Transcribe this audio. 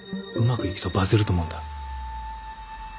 うまくいくとバズると思うんだ。